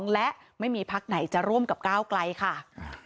และไม่มีพักไหนจะร่วมกับก้าวไกลค่ะ